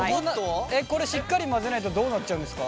これしっかり混ぜないとどうなっちゃうんですか？